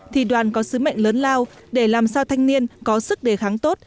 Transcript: thì đoàn có sứ mệnh lớn lao để làm sao thanh niên có sức đề kháng tốt